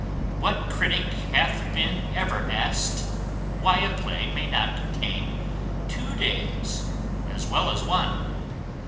What critic hath been ever asked, why a play may not contain two days as well as one?